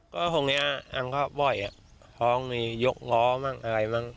ก็ตรงนี้อังคบบ่อยพร้อมมียกล้ออะไรบ้าง